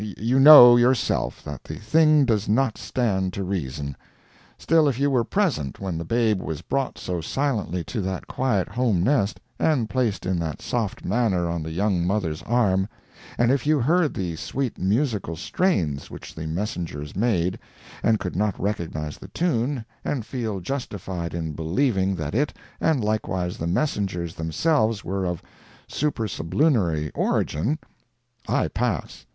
You know, yourself, that the thing does not stand to reason. Still, if you were present when the babe was brought so silently to that quiet home nest, and placed in that soft manner on the young mother's arm, and if you heard the sweet musical strains which the messengers made, and could not recognize the tune, and feel justified in believing that it and likewise the messengers themselves were of super sublunary origin, I pass.